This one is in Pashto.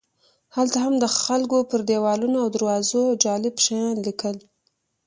هلته هم خلکو پر دیوالونو او دروازو جالب شیان لیکل.